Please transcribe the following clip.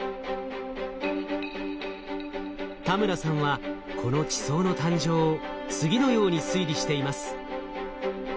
田村さんはこの地層の誕生を次のように推理しています。